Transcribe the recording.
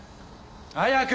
早く！